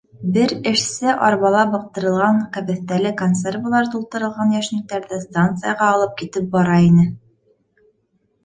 Бер эшсе арбала быҡтырылған кәбеҫтәле консервалар тултырылған йәшниктәрҙе станцияға алып китеп бара ине.